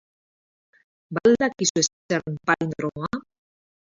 Ba al dakizue zer den palindromoa?